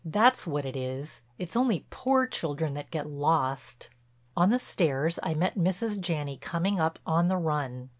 that's what it is—it's only poor children that get lost." On the stairs I met Mrs. Janney coming up on the run.